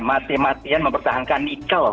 mati matian mempertahankan nikel